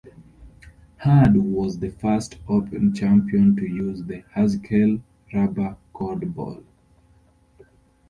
Herd was the first Open Champion to use the Haskell rubber-cored ball.